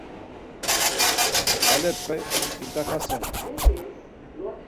K̆aǩalepe it̆axasun.